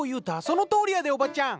そのとおりやでおばちゃん！